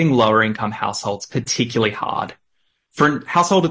hanya tiga rentas yang diadvertisikan adalah berpenghasilan